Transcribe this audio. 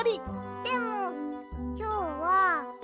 でもきょうは。